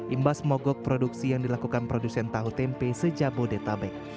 imbas mogok produksi yang dilakukan produsen tahu tempe sejak bodetabek